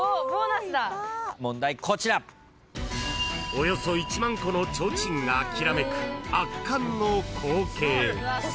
［およそ１万個の提灯がきらめく圧巻の光景］